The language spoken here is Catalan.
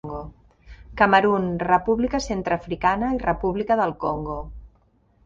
Camerun, República Centreafricana i República del Congo.